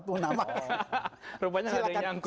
rupanya ada yang nyangkut